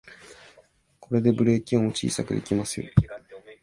これでブレーキ音を小さくできますよ